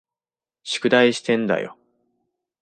宿題してんだよ。